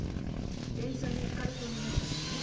電車にひかれそうになったのよね。